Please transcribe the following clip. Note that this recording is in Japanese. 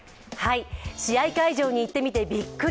試合会場に行ってみてびっくり。